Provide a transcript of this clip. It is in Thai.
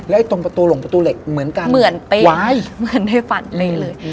แล้วตรงประตูหลงประตูเหล็กเหมือนกันไว้อเรนนี่เหมือนได้ฝันเลย